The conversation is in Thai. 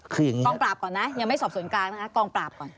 คือยังไงกองปราบก่อนนะยังไม่สอบส่วนกลางนะคะกองปราบก่อน